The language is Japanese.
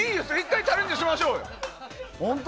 １回チャレンジしましょうよ。